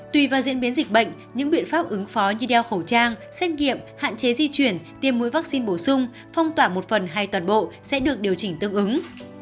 tùy vào diễn biến dịch bệnh những biện pháp ứng phó như đeo khẩu trang xét nghiệm hạn chế di chuyển tiêm mũi vaccine bổ sung phong tỏa một phần hay toàn bộ sẽ được điều chỉnh tương ứng